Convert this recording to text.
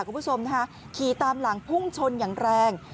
คุณผู้ชมนะคะขี่ตามหลังพุ่งชนอย่างแรง